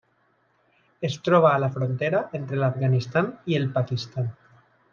Es troba a la frontera entre l'Afganistan i el Pakistan.